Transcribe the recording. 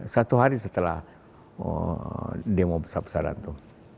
satu hari setelah demo besar besaran itu